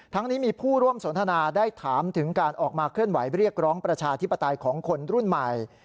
นี้มีผู้ร่วมสนทนาได้ถามถึงการออกมาเคลื่อนไหวเรียกร้องประชาธิปไตยของคนรุ่นใหม่